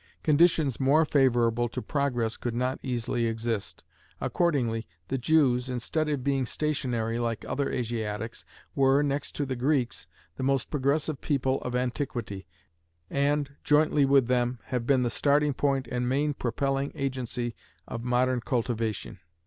Conditions more favorable to Progress could not easily exist; accordingly, the Jews, instead of being stationary like other Asiatics, were, next to the Greeks, the most progressive people of antiquity, and, jointly with them, have been the starting point and main propelling agency of modern cultivation.